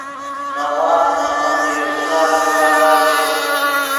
نے ماخ نے نیم یو ژینارے پتا چش